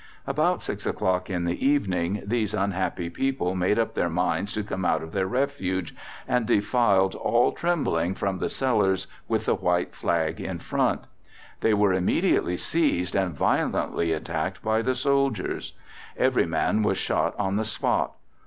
About 6 o'clock in the evening these unhappy people made up their minds to come out of their refuge, and defiled all trembling from the cellars with the white flag in front. They were immediately seized and violently attacked by the soldiers. Every man was shot on the spot.